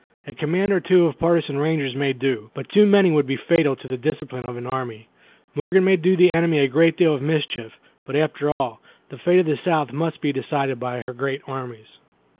A command or two of partisan rangers may do, but too many would be fatal to the discipline of an army. Morgan may do the enemy a great deal of mischief, but after all, the fate of the South must be decided by her great armies."